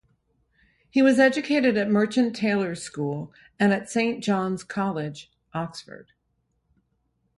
He was educated at Merchant Taylors' School, and at Saint John's College, Oxford.